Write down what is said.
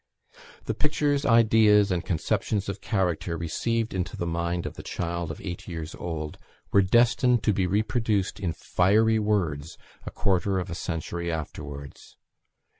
The pictures, ideas, and conceptions of character received into the mind of the child of eight years old, were destined to be reproduced in fiery words a quarter of a century afterwards.